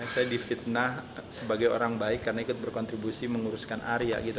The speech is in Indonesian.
saya difitnah sebagai orang baik karena ikut berkontribusi menguruskan arya gitu